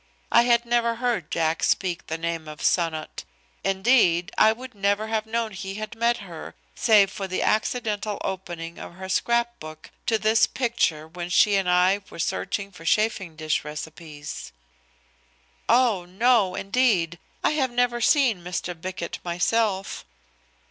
I had never heard Jack speak the name of "Sonnot." Indeed, I would never have known he had met her, save for the accidental opening of her scrap book to his picture when she and I were searching for chafing dish recipes. "Oh! No, indeed. I have never seen Mr. Bickett myself."